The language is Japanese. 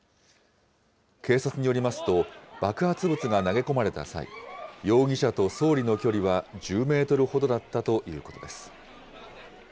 警察によりますと、爆発物が投げ込まれた際、容疑者と総理の距離は１０メートルほどだったということです。